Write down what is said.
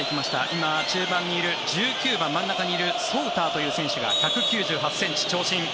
今、中盤にいる１９番真ん中にいるソウターという選手が１９８ｃｍ、長身。